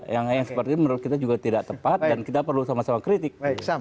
yang seperti itu menurut kita juga tidak tepat dan kita perlu sama sama kritik